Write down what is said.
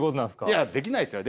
いやできないですよ。